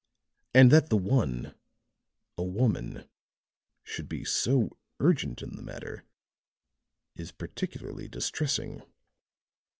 And that the one a woman should be so urgent in the matter is particularly distressing."